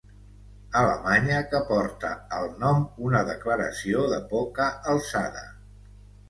Alemanya que porta al nom una declaració de poca alçada.